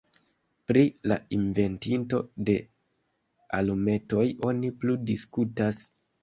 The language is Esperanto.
Pri la inventinto de alumetoj oni plu diskutas.